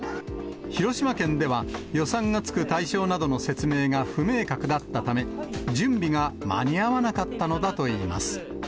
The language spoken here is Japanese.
広島県では予算がつく対象などの説明が不明確だったため、準備が間に合わなかったのだといいます。